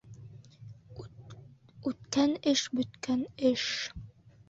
Үткән эш бөткән эш.